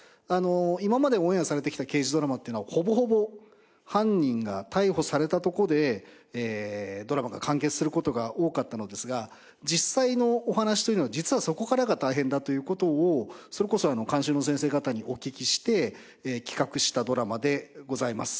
今までオンエアされてきた刑事ドラマっていうのはほぼほぼ犯人が逮捕されたとこでドラマが完結する事が多かったのですが実際のお話というのは実はそこからが大変だという事をそれこそ監修の先生方にお聞きして企画したドラマでございます。